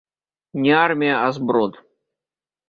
Не армія, а зброд.